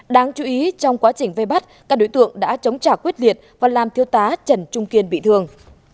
đáng chú ý trong quá trình vây bắt các đối tượng đã chống trả quyết liệt và làm thiếu tá trần trung kiên bị thương